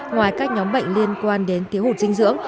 ngoài các nhóm bệnh liên quan đến thiếu hụt dinh dưỡng